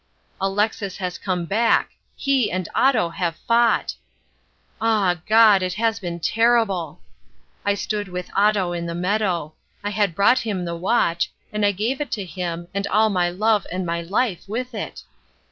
Alexis has come back. He and Otto have fought. Ah God! it has been terrible. I stood with Otto in the meadow. I had brought him the watch, and I gave it to him, and all my love and my life with it.